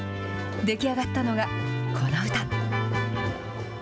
出来上がったのが、この歌。